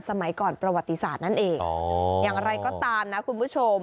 สมัยก่อนประวัติศาสตร์นั่นเองอย่างไรก็ตามนะคุณผู้ชม